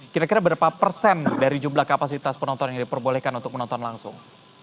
kira kira berapa persen dari jumlah kapasitas penonton yang diperbolehkan untuk menonton langsung